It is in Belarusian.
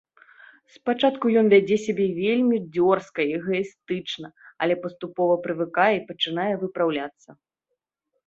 Спачатку ён вядзе сябе вельмі дзёрзка і эгаістычна, але паступова прывыкае і пачынае выпраўляцца.